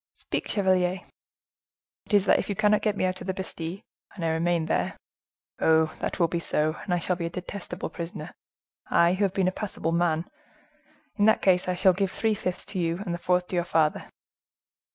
"Speak, chevalier!" "It is that if you cannot get me out of the Bastile, and I remain there—Oh! that will be so, and I shall be a detestable prisoner; I, who have been a passable man,—in that case, I give three fifths to you, and the fourth to your father."